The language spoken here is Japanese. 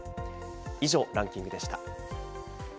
以上、ランキングでした。